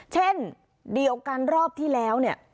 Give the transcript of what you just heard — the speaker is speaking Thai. เช่นรอบที่แล้ว